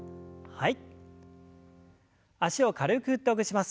はい。